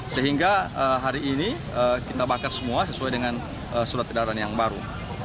sehingga hari ini kita bakar semua sesuai dengan surat edaran yang baru